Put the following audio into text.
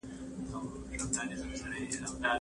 هغه بدکاره ملګري له ځان څخه نه لرې کوي.